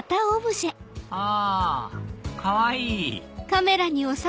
あかわいい！